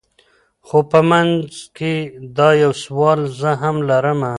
خو په منځ کي دا یو سوال زه هم لرمه